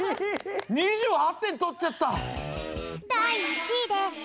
２８てんとっちゃった！